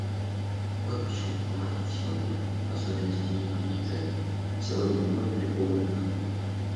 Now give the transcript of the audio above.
Вот почему внимание всего мира, в особенности внимание жертв, сегодня вновь приковано к нам.